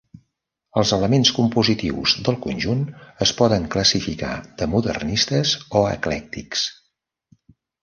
Els elements compositius del conjunt es poden classificar de modernistes o eclèctics.